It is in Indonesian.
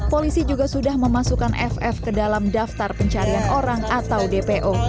polisi juga sudah memasukkan ff ke dalam daftar pencarian orang atau dpo